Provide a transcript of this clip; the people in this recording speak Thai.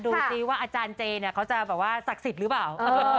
ดูสิว่าอาจารย์เจเนี่ยเขาจะแบบว่าศักดิ์สิทธิ์หรือเปล่า